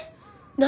何？